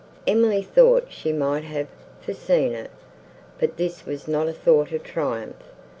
_" Emily thought she might have foreseen it, but this was not a thought of triumph.